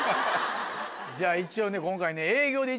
じゃあ一応ね今回ね。